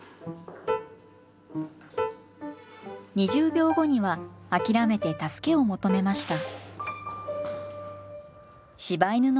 ２０秒後には諦めて助けを求めました。